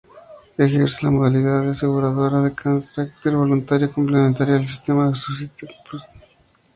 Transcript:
Ejerce una modalidad aseguradora de carácter voluntario complementaria del sistema de seguridad social.